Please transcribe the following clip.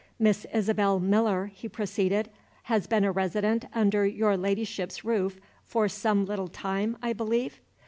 "Miss Isabel Miller," he proceeded, "has been a resident under your Ladyship's roof for some little time, I believe?"